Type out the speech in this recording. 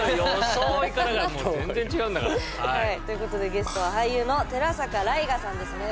装いからがもう全然違うんだから。ということでゲストは俳優の寺坂頼我さんです。